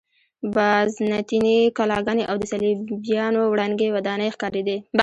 بازنطیني کلاګانې او د صلیبیانو ړنګې ودانۍ ښکارېدې.